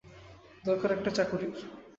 দরকার একটা চাকুরির!